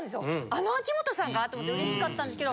あの秋元さんが！？と思ってうれしかったんですけど